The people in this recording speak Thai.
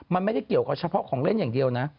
มันไม่ได้เกี่ยวกับเฉพาะของเล่นอย่างเดียวนะ